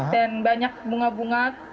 dan banyak bunga bunga